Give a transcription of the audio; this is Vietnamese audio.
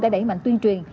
đã đẩy mạnh tuyên truyền